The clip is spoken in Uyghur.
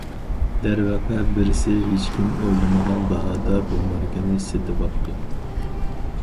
دەرۋەقە بىرسى ھېچكىم ئويلىمىغان باھادا بۇ ماركىنى سېتىۋاپتۇ.